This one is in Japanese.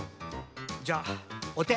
じゃおて。